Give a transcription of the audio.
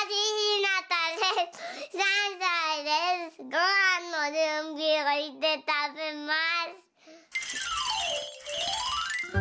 ごはんのじゅんびをしてたべます。